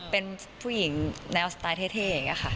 เป็นผู้หญิงแนวสไตล์เท่อย่างนี้ค่ะ